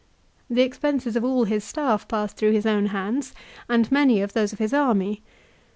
The ex penses of all his staff passed through his own hands, and many of those of his army.